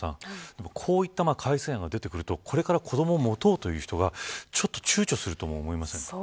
こういった改正案が出てくるとこれから子どもを持とうという人がちゅうちょすると思いませんか。